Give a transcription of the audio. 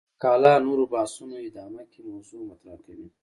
مقاله نورو بحثونو ادامه کې موضوع مطرح کوي.